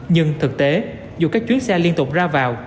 nhưng thực tế dù các chuyến xe liên tục ra vào